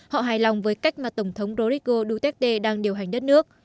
họ hài lòng với cách mà tổng thống roirisgo duterte đang điều hành đất nước